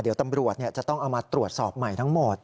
เดี๋ยวตำรวจจะต้องเอามาตรวจสอบใหม่ทั้งหมด